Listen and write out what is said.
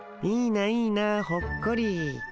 いいないいなほっこり。